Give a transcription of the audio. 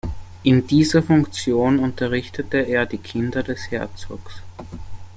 In dieser Funktion unterrichtete er die Kinder des Herzogs.